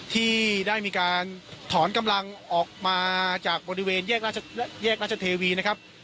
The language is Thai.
ที่ได้มีการถอนกำลังออกมาจากบริเวณแยกราชเทวีนะครับ